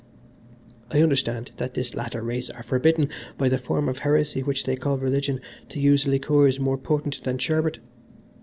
"I understand that this latter race are forbidden, by the form of heresy which they call religion, to use liquors more potent than sherbet.